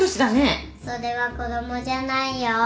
それは子供じゃないよ。